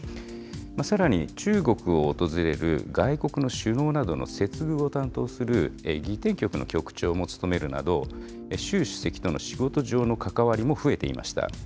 さらに中国を訪れる外国の首脳などの接遇を担当する儀典局の局長も務めるなど、習主席との仕事上の関わりも増えていました。